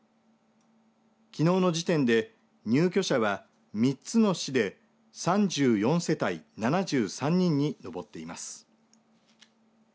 きのうの時点で入居者は３つの市で３４世帯７３人に上っています。